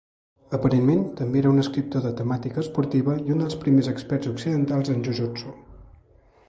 Aparentment també era un escriptor de temàtica esportiva i un dels primers experts occidentals en Jujutsu.